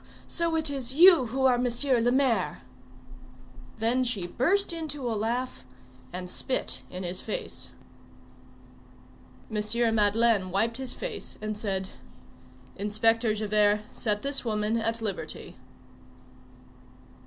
so it is you who are M. le Maire!" Then she burst into a laugh, and spit in his face. M. Madeleine wiped his face, and said:— "Inspector Javert, set this woman at liberty."